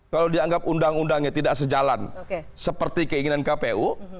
kalau dianggap undang undangnya tidak sejalan seperti keinginan kpu